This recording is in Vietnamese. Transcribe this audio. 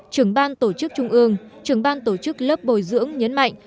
trưởng ban tổ chức trung ương trưởng ban tổ chức lớp bồi dưỡng nhấn mạnh